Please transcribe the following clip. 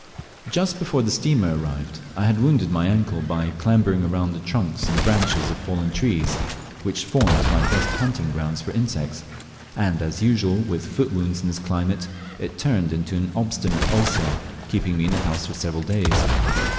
Just before the steamer arrived I had wounded my ankle by clambering among the trunks and branches of fallen trees (which formed my best hunting grounds for insects), and, as usual with foot wounds in this climate, it turned into an obstinate ulcer, keeping me in the house for several days.